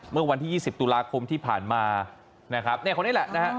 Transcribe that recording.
เมื่อวันที่๒๐ตุลาคมที่ผ่านมานะครับเนี่ยคนนี้แหละนะฮะ